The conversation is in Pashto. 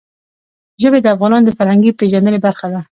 ژبې د افغانانو د فرهنګي پیژندنې برخه ده.